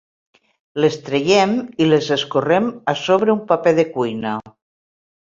Les traiem i les escorrem a sobre un paper de cuina.